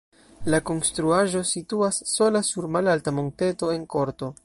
La konstruaĵo situas sola sur malalta monteto en korto.